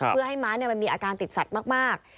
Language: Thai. เพื่อให้ม้ามันมีอาการติดสัตว์มาก